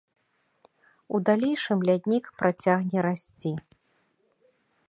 У далейшым ляднік працягне расці.